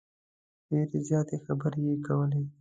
ډیرې زیاتې خبرې یې کولې.